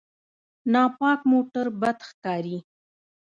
ناپاک موټر بد ښکاري.